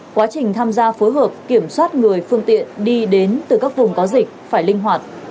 quá trình tham gia phối hợp kiểm soát người phương tiện đi đến từ các vùng có dịch phải linh hoạt